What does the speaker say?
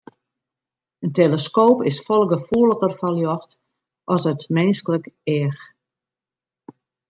In teleskoop is folle gefoeliger foar ljocht as it minsklik each.